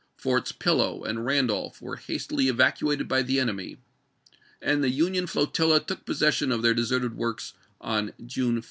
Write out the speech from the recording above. Forts Pillow and Randolph were hastily evacuated by the enemy, and the Union flotilla 186 2. took possession of their deserted works on June 5.